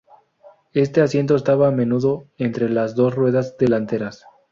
Este asiento estaba a menudo entre las dos ruedas delanteras.